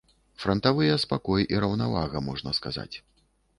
Франтавыя спакой і раўнавага, можна сказаць.